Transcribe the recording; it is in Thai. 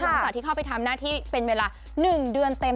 หลังจากที่เข้าไปทำหน้าที่เป็นเวลา๑เดือนเต็ม